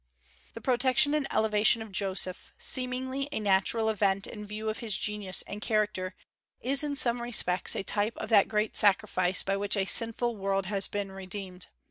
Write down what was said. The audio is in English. The protection and elevation of Joseph, seemingly a natural event in view of his genius and character, is in some respects a type of that great sacrifice by which a sinful world has been redeemed.